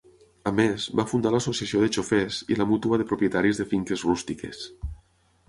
A més, va fundar l'Associació de Xofers i la Mútua de Propietaris de Finques Rústiques.